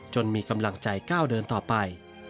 มีกำลังใจก้าวเดินต่อไป